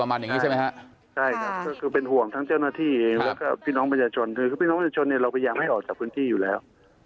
เราพยายามให้ออกจากพื้นที่อยู่แล้ว